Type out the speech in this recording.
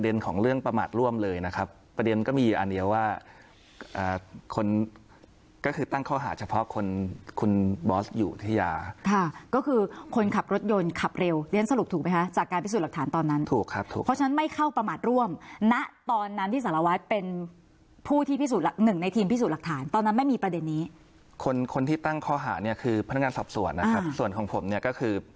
อยู่ที่ยาค่ะก็คือคนขับรถยนต์ขับเร็วเรียนสรุปถูกไหมคะจากการพิสูจน์หลักฐานตอนนั้นถูกครับถูกเพราะฉะนั้นไม่เข้าประมาทร่วมนะตอนนั้นที่สารวัฒน์เป็นผู้ที่พิสูจน์หลักหนึ่งในทีมพิสูจน์หลักฐานตอนนั้นไม่มีประเด็นนี้คนคนที่ตั้งข้อหาเนี้ยคือพนักงานสับส่วนนะครับส่วนของผมเนี้ยก็คื